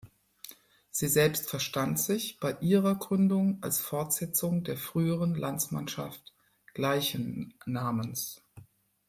Sie selbst verstand sich bei ihrer Gründung als Fortsetzung der früheren Landsmannschaft gleichen Namens.